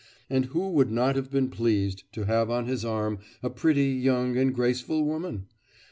And who would not have been pleased to have on his arm a pretty, young and graceful woman?